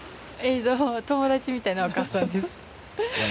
友達みたいなお母さんです。